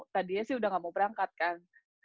tadinya sih udah gak mau berangkat kan